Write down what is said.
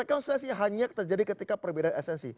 rekonsiliasi hanya terjadi ketika perbedaan esensi